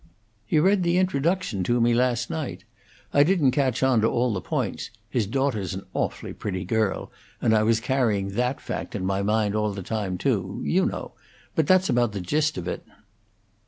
He read the introduction to me last night. I didn't catch on to all the points his daughter's an awfully pretty girl, and I was carrying that fact in my mind all the time, too, you know but that's about the gist of it."